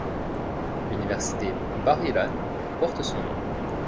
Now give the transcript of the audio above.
L'université Bar-Ilan porte son nom.